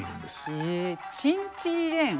へえ「チンチリレン」。